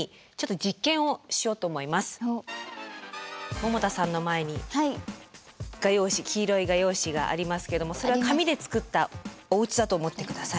百田さんの前に黄色い画用紙がありますけどもそれは紙で作ったおうちだと思って下さい。